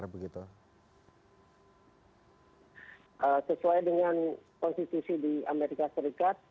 sesuai dengan konstitusi di amerika serikat